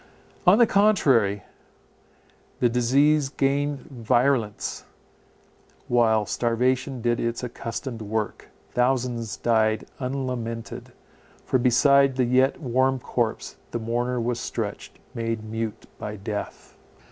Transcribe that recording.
On the contrary, the disease gained virulence, while starvation did its accustomed work. Thousands died unlamented; for beside the yet warm corpse the mourner was stretched, made mute by death.